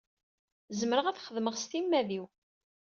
Zemreɣ ad t-xedmeɣ s timmad-iw.